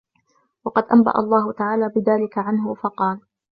وَقَدْ أَنْبَأَ اللَّهُ تَعَالَى بِذَلِكَ عَنْهُ فَقَالَ